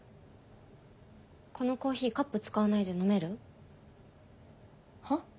このコーヒーカップ使わないで飲める？は？